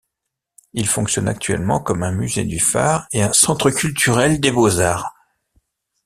Il fonctionne actuellement comme un musée du phare et un centre culturel des beaux-arts.